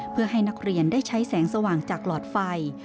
เพื่อให้นักเรียนได้ใช้แสงสว่างจากหลอดไฟ